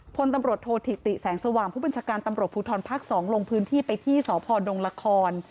พลตำรวจโทษธิติแสงสว่างผู้บัญชาการตำรวจภูทรภาค๒ลงพื้นที่ไปที่สพดงละคร